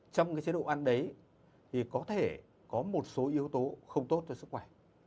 trong cái chế độ ăn đấy thì có thể có một số yếu tố không tốt cho sức khỏe